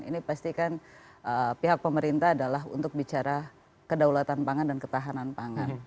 ini pastikan pihak pemerintah adalah untuk bicara kedaulatan pangan dan ketahanan pangan